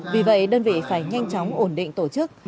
vì vậy đơn vị phải nhanh chóng ổn định tổ chức